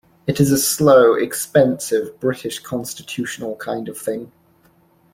It is a slow, expensive, British, constitutional kind of thing.